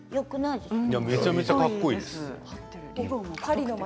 めちゃめちゃかっこいいです。